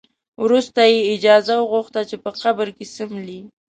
وروسته یې اجازه وغوښته چې په قبر کې څملي.